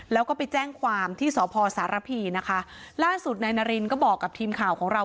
แล้วก็ไปแจ้งความที่สพสารพีนะคะล่าสุดนายนารินก็บอกกับทีมข่าวของเรา